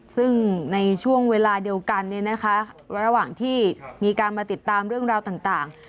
ซึ่งในช่วงเวลาเดียวกันเนี่ยนะคะระหว่างที่มีการมาติดตามเรื่องราวต่าง